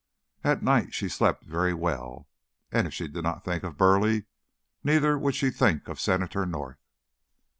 At night she slept very well, and if she did not think of Burleigh, neither would she think of Senator North.